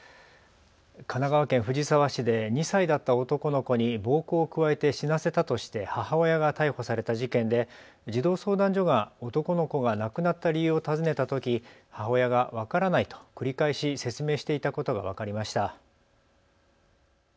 神奈川県藤沢市で２歳だった男の子に暴行を加えて死なせたとして母親が逮捕された事件で児童相談所が男の子が亡くなった理由を尋ねたとき母親が分からないと繰り返し説明していたことが分かりました。